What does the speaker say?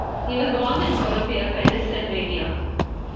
He was born in Columbia, Pennsylvania.